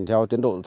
một số bạn cs